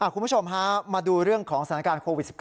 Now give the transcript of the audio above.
คุณผู้ชมฮะมาดูเรื่องของสถานการณ์โควิด๑๙